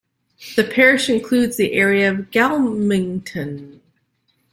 The parish includes the area of Galmington.